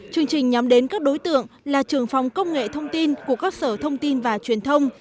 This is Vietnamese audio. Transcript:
chương trình nhắm đến các đối tượng là trường phòng công nghệ thông tin của các sở thông tin và truyền thông